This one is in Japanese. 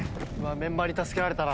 メンバーに助けられたな。